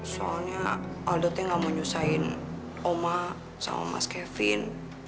soalnya aldotnya gak mau nyusahin oma sama mas kevin